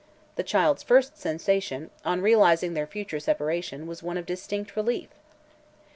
The child's first sensation, on realizing their future separation, was one of distinct relief.